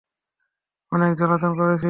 অনেক জ্বালাতন করেছিস।